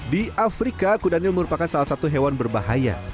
di afrika kuda nil merupakan salah satu hewan berbahaya